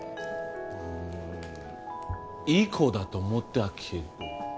んいい子だと思ったけど？